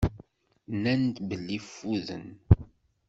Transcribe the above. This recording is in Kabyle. Nnan-d belli ffuden.